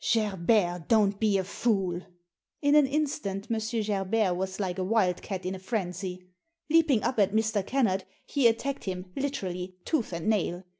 " Gerbert, don't be a fool !" In an instant M. Gerbert was like a wild cat in a frenzy. Leaping up at Mr. Kennard, he attacked him, literally, tooth and nail.